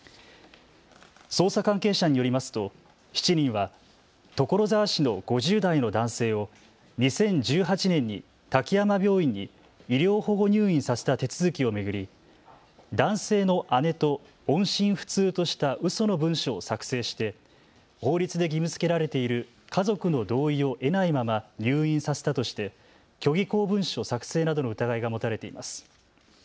捜査関係者によりますと７人は所沢市の５０代の男性を２０１８年に滝山病院に医療保護入院させた手続きを巡り男性の姉と音信不通としたうその文書を作成して法律で義務づけられている家族の同意を得ないまま入院させたとして虚偽公文書作成などの疑いが持たれています。